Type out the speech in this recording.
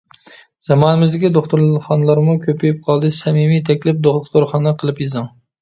زامانىمىزدىكى دوختۇرخانىلارمۇ كۆپىيىپ قالدى سەمىمىي تەكلىپ «دوختۇرخانا» قىلىپ يېزىڭ.